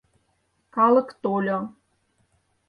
Калык тольо.